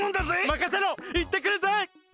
まかせろいってくるぜ！